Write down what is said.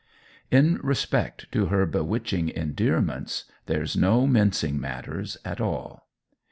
In respect to her bewitching endearments, there's no mincing matters, at all.